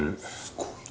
すごい。